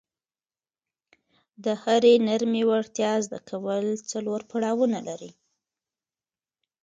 د هرې نرمې وړتیا زده کول څلور پړاونه لري.